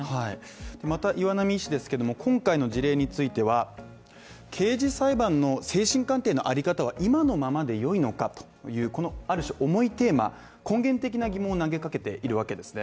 また岩波氏ですけども今回の事例については刑事裁判の精神鑑定のあり方は、今のままで良いのかというある種、根源的な疑問を投げかけているわけですね